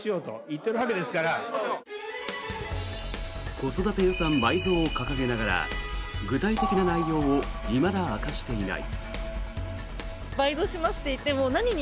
子育て予算倍増を掲げながら具体的な内容をいまだ明かしていない。